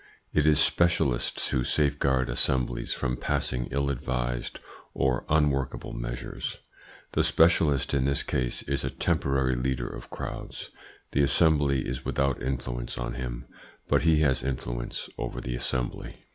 It is specialists who safeguard assemblies from passing ill advised or unworkable measures. The specialist in this case is a temporary leader of crowds. The Assembly is without influence on him, but he has influence over the Assembly.